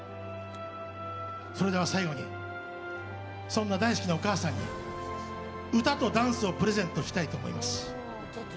それでは、最後にそんな大好きなお母さんに歌とダンスをプレゼントしたいと思います。